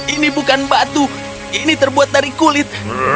ini bukan batu ini terbuat dari kulit